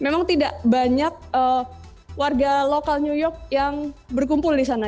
memang tidak banyak warga lokal new york yang berkumpul di sana